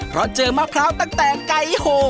เพราะเจอมะพร้าวตั้งแต่ไก่โห